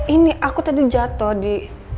ini aku tadi jatuh di